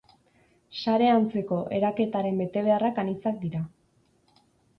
Sare-antzeko eraketaren betebeharrak anitzak dira.